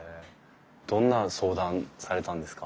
どんな相談されたんですか？